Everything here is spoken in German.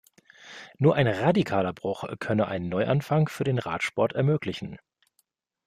Nur ein radikaler Bruch könne einen Neuanfang für den Radsport ermöglichen.